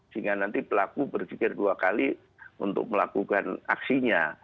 sehingga nanti pelaku berpikir dua kali untuk melakukan aksinya